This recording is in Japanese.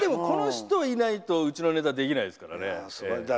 この人がいないとこのネタできないですから。